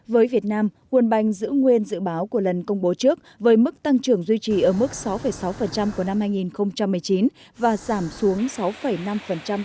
với việt nam world bank giữ nguyên dự báo của lần công bố trước với mức tăng trưởng duy trì ở mức sáu sáu của năm hai nghìn một mươi chín và giảm xuống sáu năm của năm hai nghìn hai mươi